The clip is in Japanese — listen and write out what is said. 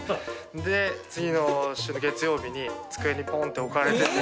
で次の週の月曜日に机のポンッて置かれてて。